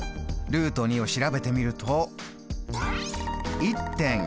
を調べてみると。